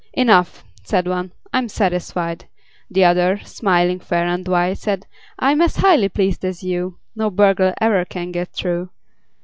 "Enough," said one: "I'm satisfied." The other, smiling fair and wide, Said: "I'm as highly pleased as you: No burglar ever can get through.